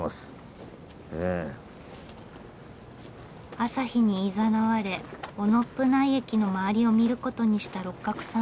朝日にいざなわれ雄信内駅の周りを見ることにした六角さんですが。